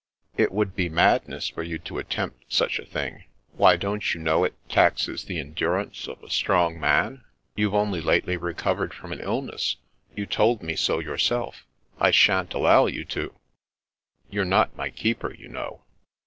" It would be madness for you to attempt such a thing. Why, don't you know it taxes the endurance of a strong man ? You've only lately recovered from an illness ; you told me so yourself. I shan't allow you to "" You're not my keeper, you know."